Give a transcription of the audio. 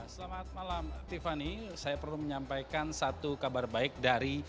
selamat malam tiffany saya perlu menyampaikan satu kabar baik dari